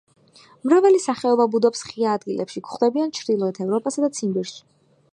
მრავალი სახეობა ბუდობს ღია ადგილებში, გვხვდებიან ჩრდილოეთ ევროპასა და ციმბირში.